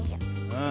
うん。